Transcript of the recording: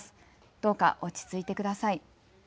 どうか落ち着いてください。